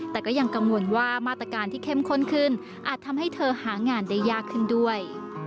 แต่ก็ยังกังวลว่ามาตรการที่เข้มข้นขึ้นอาจทำให้เธอหางานได้ยากขึ้นด้วย